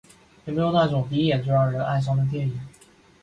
有没有那种第一眼就让人爱上的电影？